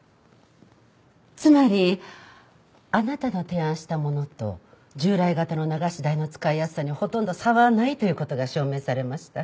つまりあなたの提案したものと従来型の流し台の使いやすさにほとんど差はないという事が証明されました。